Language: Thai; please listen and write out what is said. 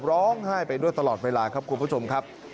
ร้องไห้ไปด้วยตลอดเวลาครับคุณผู้ชมครับ